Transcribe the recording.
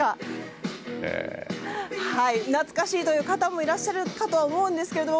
懐かしいという方もいらっしゃるかとは思うんですが